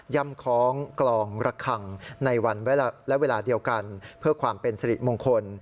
่ำคล้องกลองระคังในวันและเวลาเดียวกันเพื่อความเป็นสิริมงคล